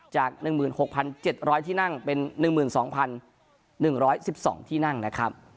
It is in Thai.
จาก๑๖๗๐๐ที่นั่งเป็น๑๒๑๑๒ที่นั่งนะครับ